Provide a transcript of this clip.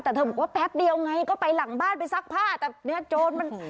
แต่เธอบอกว่าแป๊บเดียวไงก็ไปหลังบ้านไปซักผ้าแต่เนื้อโจรมัน